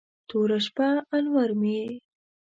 توره شپه، انور مې یې